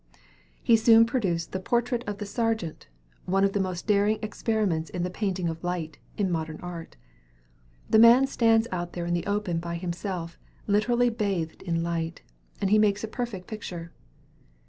He soon produced the "Portrait of the Sergeant," "one of the most daring experiments in the painting of light, in modern art. The man stands out there in the open by himself, literally bathed in light, and he makes a perfect picture."